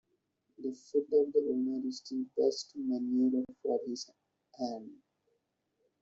The foot of the owner is the best manure for his land.